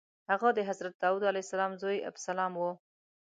هغه د حضرت داود علیه السلام زوی ابسلام و.